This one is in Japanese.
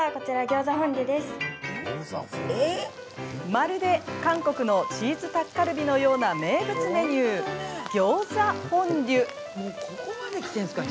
まるで、韓国のチーズタッカルビのような名物メニューギョーザフォンデュ。